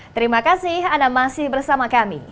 terima kasih anda masih bersama kami